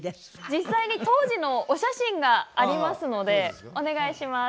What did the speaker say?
実際に当時のお写真がありますのでお願いします！